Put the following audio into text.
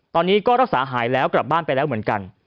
ตอนนี้ก็รักษาหายแล้วกลับบ้านไปแล้วเหมือนกัน